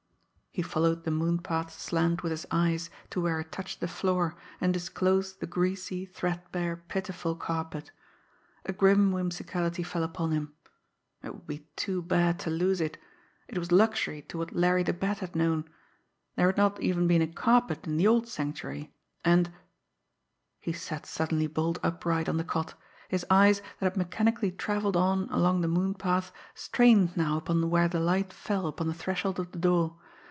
He followed the moonpath's slant with his eyes to where it touched the floor and disclosed the greasy, threadbare, pitiful carpet. A grim whimsicality fell upon him. It would be too bad to lose it! It was luxury to what Larry the Bat had known! There had not even been a carpet in the old Sanctuary, and he sat suddenly bolt upright on the cot, his eyes, that had mechanically travelled on along the moonpath, strained now upon where the light fell upon the threshold of the door.